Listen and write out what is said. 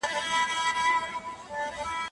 د سړک په غاړه کراچۍ لرونکي خلک په عذاب وو.